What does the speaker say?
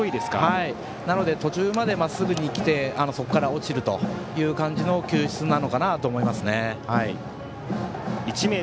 なので、途中までまっすぐに来てそこから落ちるという感じの１ｍ７６ｃｍです、石川。